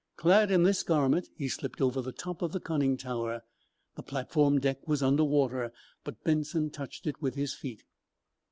Clad in this garment he slipped out over the top of the conning tower. The platform deck was under water, but Benson touched it with his feet.